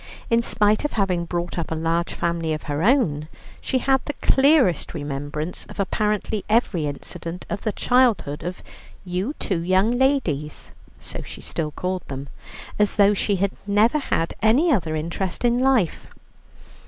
In spite of having brought up a large family of her own, she had the clearest remembrance of apparently every incident of the childhood of "you two young ladies" (so she still called them) as though she had never had any other interest in life.